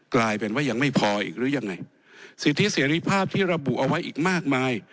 กลายเป็นว่ายังไม่พออีกหรือยังไงสิทธิเสรีภาพที่ระบุเอาไว้อีกมากมาย